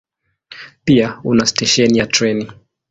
Pia una stesheni ya treni.